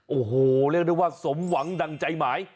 โอ้โหเรียกได้ว่าสมหวังดังใจหมาย